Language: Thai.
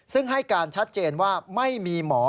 ซึ่งให้การชัดเจนว่าไม่มีหมอ